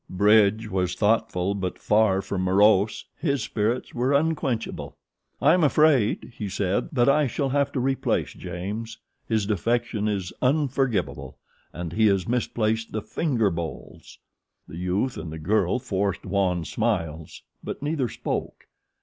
Bridge was thoughtful but far from morose. His spirits were unquenchable. "I am afraid," he said, "that I shall have to replace James. His defection is unforgivable, and he has misplaced the finger bowls." The youth and the girl forced wan smiles; but neither spoke.